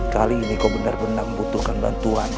kali ini kau benar benar membutuhkan bantuan